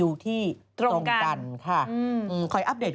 เวลาทำงานบางทีก็ถ้องถอด